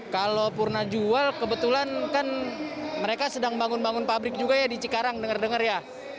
kalau purna jual kebetulan kan mereka sedang bangun bangun pabrik juga ya di cikarang denger dengar ya